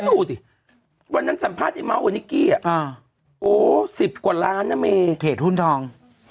ดูสิวันนั้นสัมภาษณ์ไอ้เมาส์กว่านิกกี้อ่ะโอ้๑๐กว่าล้านนะเมเขตหุ้นทอง